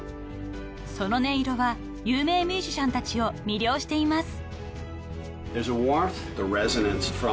［その音色は有名ミュージシャンたちを魅了しています］